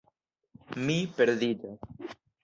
Mi perdiĝas.